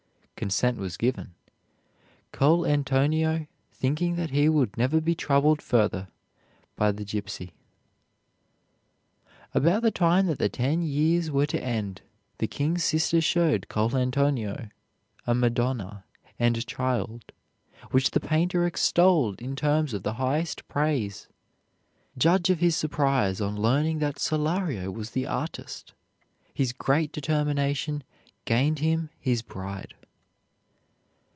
Consent was given, Coll' Antonio thinking that he would never be troubled further by the gypsy. About the time that the ten years were to end the king's sister showed Coll' Antonio a Madonna and Child, which the painter extolled in terms of the highest praise. Judge of his surprise on learning that Solario was the artist. His great determination gained him his bride.